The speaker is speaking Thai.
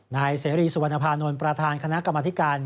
นายเสรีสุวรรณภานนท์ประธานคณะกรรมธิการ